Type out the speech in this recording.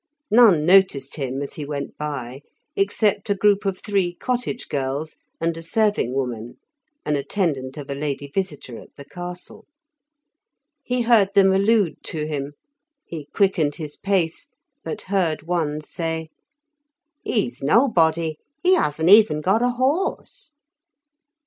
None noticed him as he went by, except a group of three cottage girls, and a serving woman, an attendant of a lady visitor at the castle. He heard them allude to him; he quickened his pace, but heard one say, "He's nobody; he hasn't even got a horse."